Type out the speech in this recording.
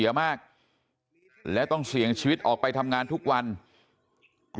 พวกมันกลับมาเมื่อเวลาที่สุดพวกมันกลับมาเมื่อเวลาที่สุด